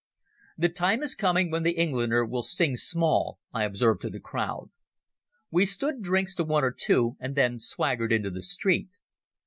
"The time is coming when the Englander will sing small," I observed to the crowd. We stood drinks to one or two, and then swaggered into the street.